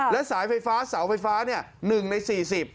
และสายไฟฟ้าเสาไฟฟ้าเนี่ยหนึ่งในสี่สิบ